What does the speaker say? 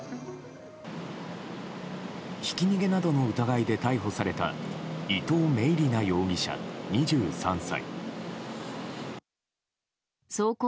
ひき逃げなどの疑いで逮捕された伊藤明理那容疑者、２３歳。